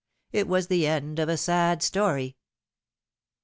It was the end of a sad story."